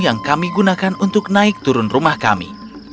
yang kami gunakan untuk naik turun rumah kami